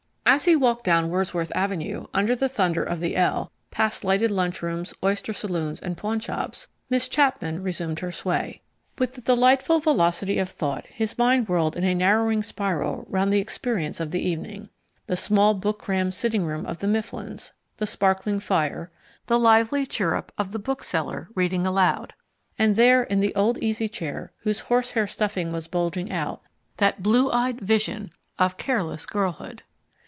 As he walked down Wordsworth Avenue, under the thunder of the L, past lighted lunchrooms, oyster saloons, and pawnshops, Miss Chapman resumed her sway. With the delightful velocity of thought his mind whirled in a narrowing spiral round the experience of the evening. The small book crammed sitting room of the Mifflins, the sparkling fire, the lively chirrup of the bookseller reading aloud and there, in the old easy chair whose horsehair stuffing was bulging out, that blue eyed vision of careless girlhood!